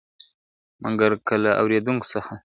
مګر که له اورېدونکو څخه `